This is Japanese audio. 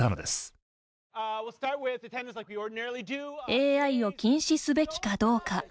ＡＩを禁止すべきかどうか。